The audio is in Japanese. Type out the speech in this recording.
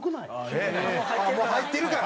もう入ってるから。